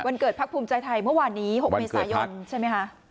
เกิดพักภูมิใจไทยเมื่อวานนี้๖เมษายนใช่ไหมคะ